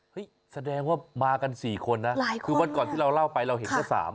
เห้ยแสดงว่ามากันสี่คนนะคือวันก่อนที่เราเล่าไปเราเห็นก็สาม